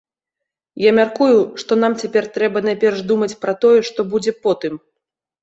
Я мяркую, што нам цяпер трэба найперш думаць пра тое, што будзе потым.